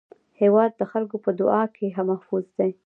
هېواد د خلکو په دعا کې محفوظ دی.